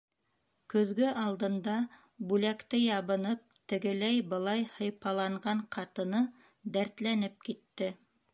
Көҙгө алдында бүләкте ябынып тегеләй-былай һыйпаланған ҡатыны дәртләнеп китте.